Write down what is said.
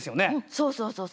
そうそうそうそう。